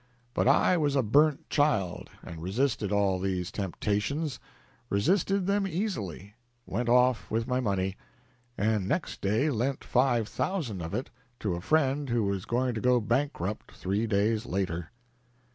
But I was a burnt child, and resisted all these temptations resisted them easily; went off with my money, and next day lent five thousand of it to a friend who was going to go bankrupt three days later."